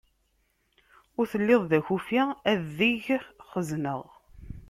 Ur telliḍ d akufi, ad deg-k xezzneɣ!